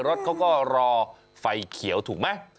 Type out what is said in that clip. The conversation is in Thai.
รถเขาก็รอไฟเขียวถูกไหม